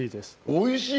おいしい